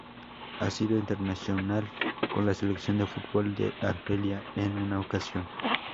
Ha sido internacional con la selección de fútbol de Argelia en una ocasión.